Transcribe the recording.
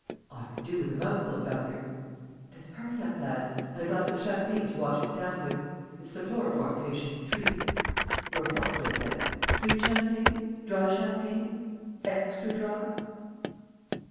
"I could do with a mouthful, governor." "Then hurry up, lads. And a glass of champagne to wash it down with: it's the chloroform patient's treat. Your health, Daubrecq! Sweet champagne? Dry champagne? Extra dry?"